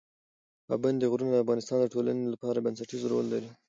پابندي غرونه د افغانستان د ټولنې لپاره بنسټیز رول لري.